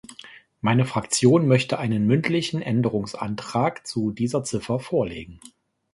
Meine Fraktion möchte einen mündlichen Änderungsantrag zu dieser Ziffer vorlegen.